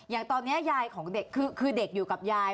อย่างตอนนี้ยายของเด็กคือเด็กอยู่กับยาย